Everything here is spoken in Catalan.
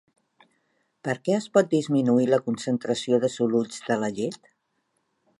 Per què es pot disminuir la concentració de soluts de la llet?